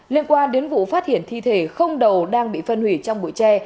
liên quan đến vụ phát hiện thi thể không đầu đang bị phân hủy trong bụi tre